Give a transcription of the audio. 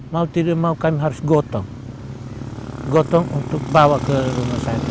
mau tidak mau kami harus gotong gotong untuk bawa ke rumah sakit